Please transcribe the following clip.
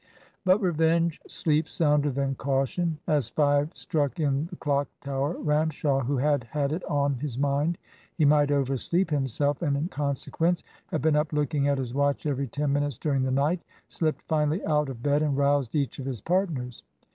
But Revenge sleeps sounder than Caution. As five struck in the clock tower, Ramshaw, who had had it on his mind he might oversleep himself, and, in consequence, had been up looking at his watch every ten minutes during the night, slipped finally out of bed, and roused each of his partners.